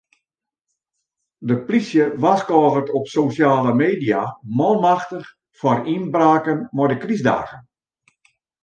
De plysje warskôget op sosjale media manmachtich foar ynbraken mei de krystdagen.